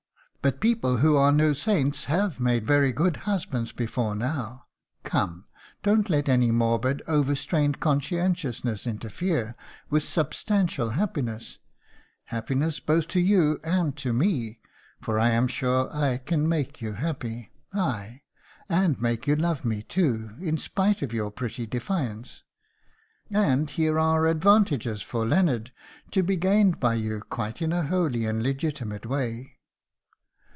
But people who are no saints have made very good husbands before now. Come, don't let any morbid, overstrained conscientiousness interfere with substantial happiness happiness both to you and to me for I am sure I can make you happy ay! and make you love me too, in spite of your pretty defiance.... And here are advantages for Leonard, to be gained by you quite in a holy and legitimate way."